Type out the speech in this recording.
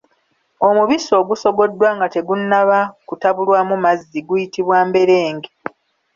Omubisi ogusogoddwa nga tegunnaba kutabulwamu mazzi guyitibwa mberenge.